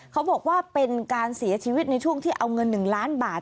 เขาบอกว่าเป็นการเสียชีวิตในช่วงที่เอาเงิน๑ล้านบาท